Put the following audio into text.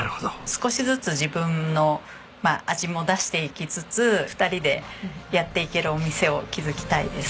少しずつ自分の味も出していきつつ２人でやっていけるお店を築きたいです。